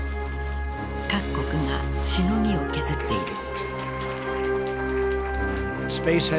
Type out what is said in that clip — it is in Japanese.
各国がしのぎを削っている。